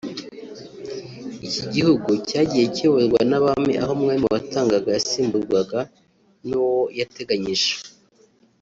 iki gihugu cyagiye kiyoborwa n’abami aho umwami watangaga yasimburwaga n’uwo yateganyije